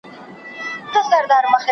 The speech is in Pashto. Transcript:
وارث په خوشحالۍ کې مرغۍ راوړه.